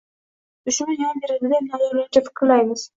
Dushman yon beradi deb nodonlarcha fikrlaymiz